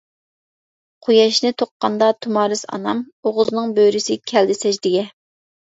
قۇياشنى تۇغقاندا تۇمارىس ئانام، ئوغۇزنىڭ بۆرىسى كەلدى سەجدىگە.